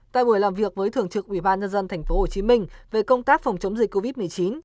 tại buổi làm việc với thường trực ubnd tp hcm về công tác phòng chống dịch covid một mươi chín